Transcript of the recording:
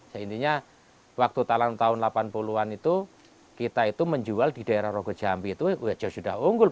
seintinya waktu tahun delapan puluh an itu kita itu menjual di daerah rogo jambi itu sudah unggul